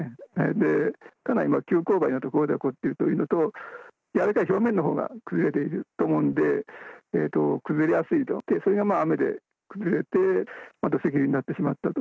で、かなり急こう配な所で起こっているというのと、やがて表面のほうが崩れてくると思うので、崩れやすいと、それが雨で崩れて、土石流になってしまったと。